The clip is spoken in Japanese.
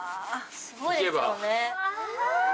すごいですよね。